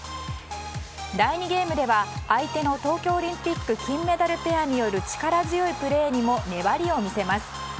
第２ゲームでは相手の東京オリンピック金メダルペアによる力強いプレーにも粘りを見せます。